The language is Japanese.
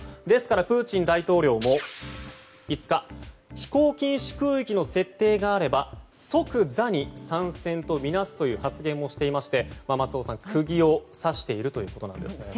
ですから、プーチン大統領も５日、飛行禁止空域の設定があれば即座に参戦とみなすという発言をしていまして松尾さん、釘を刺しているということです。